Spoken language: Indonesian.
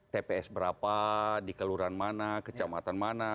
tps berapa di kelurahan mana kecamatan mana